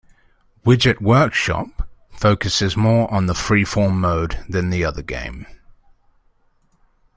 "Widget Workshop" focuses more on the freeform mode than the other game.